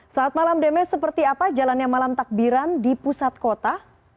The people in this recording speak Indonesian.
saat malam demes seperti apa jalannya malam takbiran di pusat kota